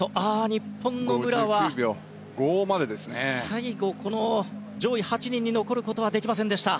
日本の武良は最後、上位８人に残ることはできませんでした。